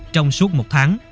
trong suốt một tháng